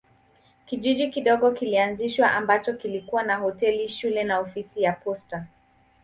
Kijiji kidogo kilianzishwa ambacho kilikuwa na hoteli, shule na ofisi ya posta.